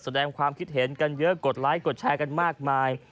แสดงความคิดเห็นกันเยอะกดไลค์กดแชร์กันมากมาย